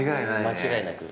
◆間違いなく。